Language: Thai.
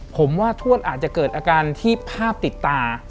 ผมว่าทวดอาจจะเกิดอาการที่ภาพติดตา